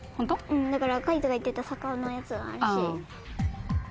うんだからかいとが言ってた坂のやつがあるし。